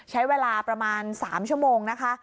ใช้เวลาประมาณ๓ชั่วโมงนะคะ